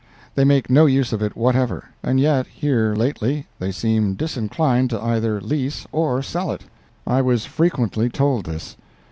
They make no use of it whatever, and yet, here lately, they seem disinclined to either lease or sell it. I was frequently told this.